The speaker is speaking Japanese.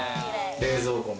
冷蔵庫も。